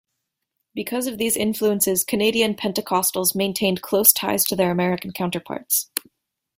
Because of these influences, Canadian Pentecostals maintained close ties to their American counterparts.